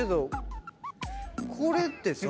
これってさ。